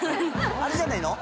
あれじゃないの？